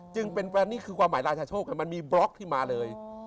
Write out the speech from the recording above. นี่คือความหมายราชาโชคมันมีบล็อกที่มาเลย